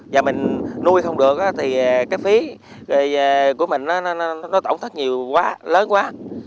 và mình nuôi không được thì cái phí của mình có tổn thất nhiều quá lớn quá